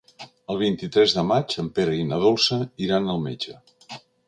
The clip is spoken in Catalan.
El vint-i-tres de maig en Pere i na Dolça iran al metge.